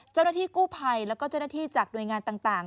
เจ้าหน้าที่กู้ภัยแล้วก็เจ้าหน้าที่จากหน่วยงานต่าง